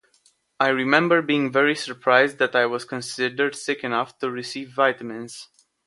I remember being very surprised that I was considered sick enough to receive vitamins.